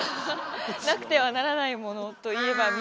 なくてはならないものといえば水？